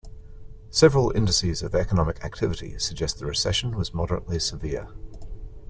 Several indices of economic activity suggest the recession was moderately severe.